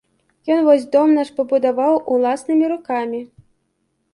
Ён вось дом наш пабудаваў уласнымі рукамі.